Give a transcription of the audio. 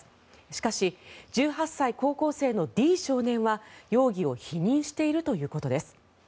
しかし、１８歳高校生のＤ少年は容疑を否認しているということです。